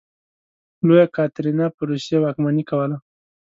لویه کاترینه په روسیې واکمني کوله.